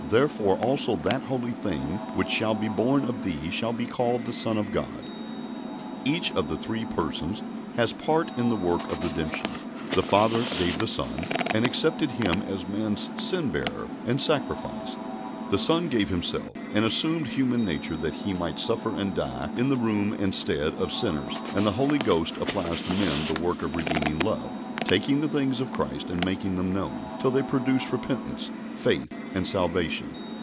therefore also that holy thing which shall be born of thee shall be called the Son of God." Each of the three Persons has part in the work of redemption. The Father gave the Son, and accepted Him as man's Sinbearer and Sacrifice; the Son gave Himself, and assumed human nature that He might suffer and die in the room and stead of sinners, and the Holy Ghost applies to men the work of redeeming love, taking of the things of Christ and making them known, till they produce repentance, faith, and salvation.